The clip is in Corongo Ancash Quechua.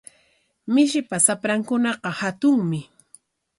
Mishipa shaprankunaqa hatunmi.